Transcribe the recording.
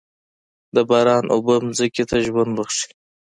د باران اوبه ځمکې ته ژوند بښي.